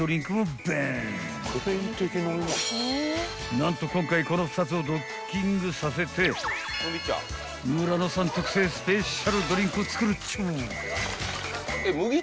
［何と今回この２つをドッキングさせて村野さん特製スペシャルドリンクを作るっちゅう］